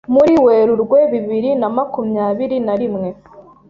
Muri Werurwe bibiri na makumyabiri narimwe